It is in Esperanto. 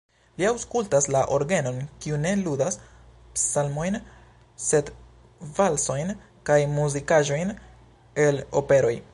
Li aŭskultas la orgenon, kiu ne ludas psalmojn, sed valsojn kaj muzikaĵojn el operoj.